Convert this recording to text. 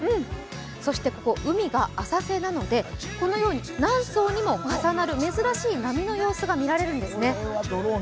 ここ、海が浅瀬なので何層にも重なる珍しい波の様子が見られるんです。